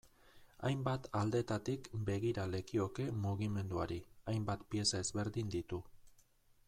Hainbat aldetatik begira lekioke mugimenduari, hainbat pieza ezberdin ditu.